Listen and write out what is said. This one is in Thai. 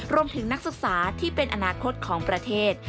นักศึกษาที่เป็นอนาคตของประเทศ